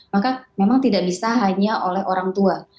maka memang tidak bisa hanya oleh orang tua